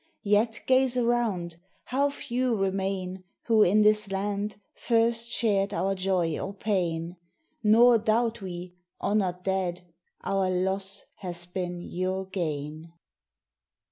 Yet gaze around, how few remain, Who, in this land, first shared our joy or pain! Nor doubt we, honoured dead, our loss has been your gain.